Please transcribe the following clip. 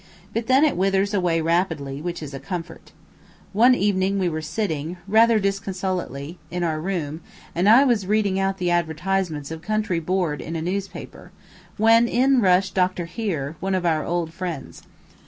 But then it withers away rapidly, which is a comfort. One evening we were sitting, rather disconsolately, in our room, and I was reading out the advertisements of country board in a newspaper, when in rushed Dr. Heare one of our old friends.